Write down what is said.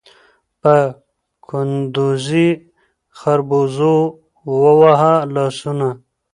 په کندوزي خربوزو ووهه لاسونه